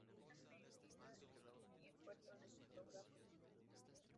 En otra, Medina y el cuerpo de fotógrafos.